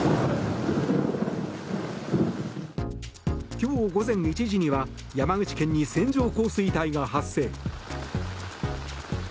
今日午前１時には山口県に線状降水帯が発生。